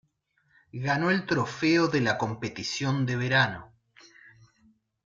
Ganó el trofeo de la competición de verano.